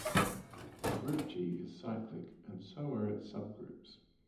The group "G" is cyclic, and so are its subgroups.